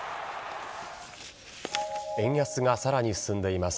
円安がさらに進んでいます。